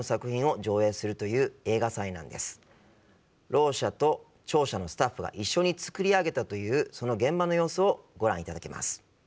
ろう者と聴者のスタッフが一緒に作り上げたというその現場の様子をご覧いただきます。